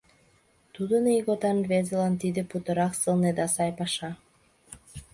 Тудын ийготан рвезылан тиде путырак сылне да сай паша.